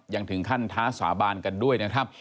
ยังถึงขั้นท้าสาบานกันด้วยนะครับ